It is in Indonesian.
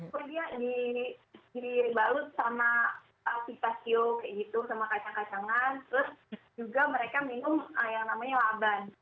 terus dia dibalut sama pipa siu kayak gitu sama kacang kacangan terus juga mereka minum yang namanya laban